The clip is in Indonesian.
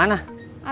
abis dari rumah emak